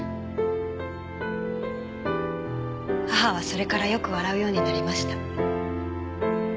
母はそれからよく笑うようになりました。